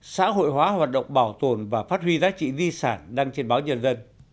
xã hội hóa hoạt động bảo tồn và phát huy giá trị di sản đăng trên báo nhân dân